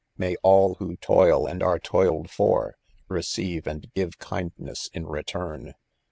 May all who toil, and axe toiled for, receive and give kindness in return